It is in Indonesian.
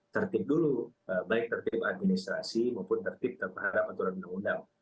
tertib dulu baik tertib administrasi maupun tertib terhadap aturan undang undang